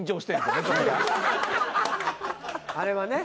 あれはね。